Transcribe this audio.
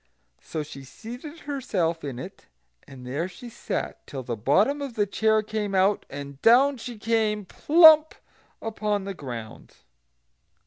So she seated herself in it, and there she sat till the bottom of the chair came out, and down she came, plump upon the ground.